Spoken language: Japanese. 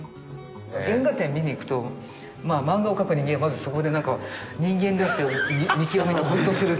原画展見に行くと漫画を描く人間はまずそこで何か人間らしさを見極めてほっとする。